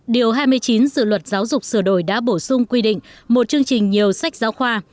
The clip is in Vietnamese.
điều hai mươi chín dự luật giáo dục sửa đổi đã bổ sung quy định một chương trình nhiều sách giáo khoa